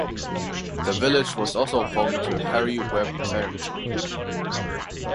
The village was also home to Harry Webb Farrington.